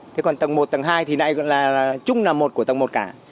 thế còn tầng một tầng hai thì lại là trung là một của tầng một cả